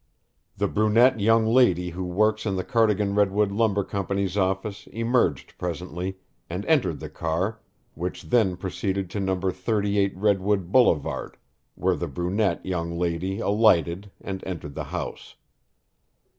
The brunette young lady who works m the Cardigan Redwood Lumber Company's office emerged presently and entered the car, which then proceeded to No. 38 Redwood Boulevard, where the brunette young lady alighted and entered the house.